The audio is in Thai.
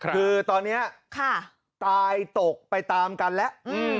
คือตอนนี้ตายตกไปตามกันแล้ว